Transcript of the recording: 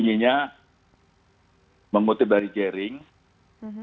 sayang ada konspirasi busuk yang mendramatisir